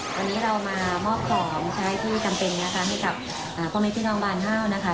วันนี้เรามามอบของใช้ที่จำเป็นนะคะให้กับพ่อแม่พี่น้องบานห้าวนะคะ